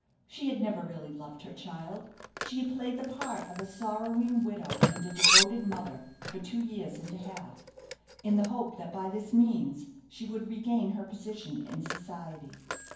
She had never really loved her child she had played the part of a sorrowing widow and a devoted mother for two years and a half, in the hope that by this means she would regain her position in society.